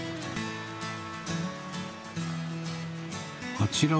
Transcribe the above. あちらは？